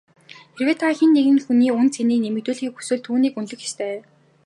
Хэрвээ та хэн нэгэн хүний үнэ цэнийг нэмэгдүүлэхийг хүсвэл түүнийг үнэлэх ёстой.